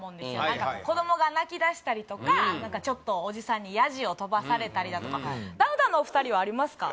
何か子供が泣きだしたりとか何かちょっとおじさんにヤジを飛ばされたりだとかダウンタウンのお二人はありますか？